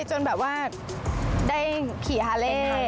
จนแบบว่าได้ขี่ฮาเล่